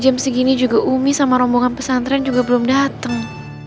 jam segini juga umi sama rombongan pesantren juga belum datang